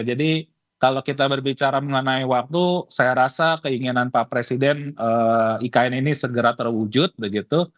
jadi kalau kita berbicara mengenai waktu saya rasa keinginan pak presiden ikn ini segera terwujud begitu